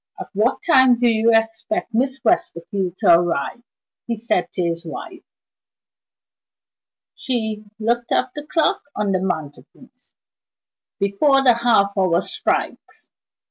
"At what time do you expect Miss Westerfield to arrive?" he said to his wife. She looked at the clock on the mantelpiece. "Before the half hour strikes.